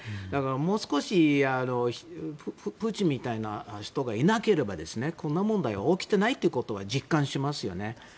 もう少しプーチンみたいな人がいなければこんな問題は起きていないということは実感しますよね。